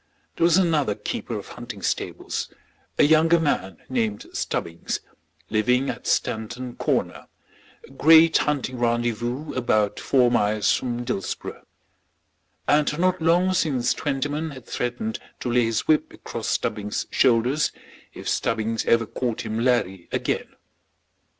There was another keeper of hunting stables, a younger man, named Stubbings, living at Stanton Corner, a great hunting rendezvous about four miles from Dillsborough; and not long since Twentyman had threatened to lay his whip across Stubbings' shoulders if Stubbings ever called him "Larry" again.